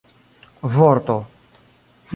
vorto